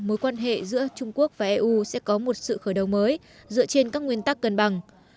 mối quan hệ giữa trung quốc và eu sẽ có một sự khởi đầu mới dựa trên các nguyên tắc cân bằng